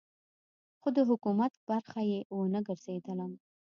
خو د حکومت برخه یې ونه ګرځېدلم.